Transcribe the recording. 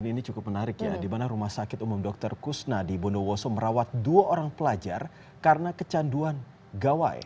ini cukup menarik ya di mana rumah sakit umum dr kusnadi bondowoso merawat dua orang pelajar karena kecanduan gawai